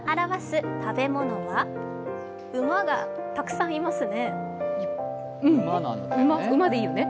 馬がたくさんいますね。